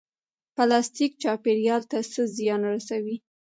پلاستیک چاپیریال ته څه زیان رسوي؟